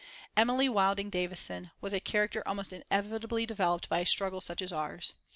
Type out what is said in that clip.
Emily Wilding Davison was a character almost inevitably developed by a struggle such as ours.